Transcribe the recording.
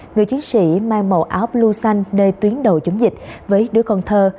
người chiến sĩ mang màu áo blu xanh nơi tuyến đầu chống dịch với đứa con thơ